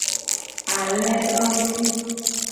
Alenovi.